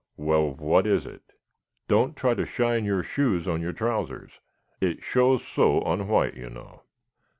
"Well, what is it?" "Don't try to shine your shoes on your trousers. It shows so on white, you know."